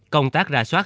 công tác ra soát